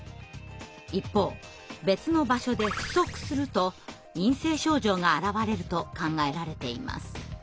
一方別の場所で不足すると陰性症状が現れると考えられています。